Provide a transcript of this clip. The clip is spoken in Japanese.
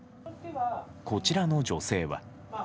こちらの女性は。